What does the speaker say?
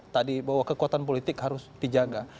tadi bahwa kekuatan politik harus dijaga